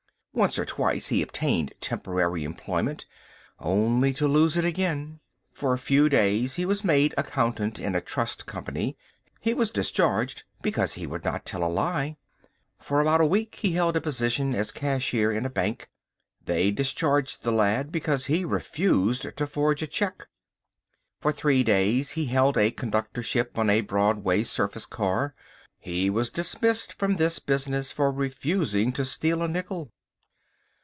Once or twice he obtained temporary employment only to lose it again. For a few days he was made accountant in a trust company. He was discharged because he would not tell a lie. For about a week he held a position as cashier in a bank. They discharged the lad because he refused to forge a cheque. For three days he held a conductorship on a Broadway surface car. He was dismissed from this business for refusing to steal a nickel.